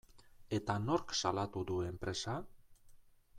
Eta nork salatu du enpresa?